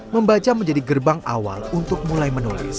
membaca menjadi gerbang awal untuk mulai menulis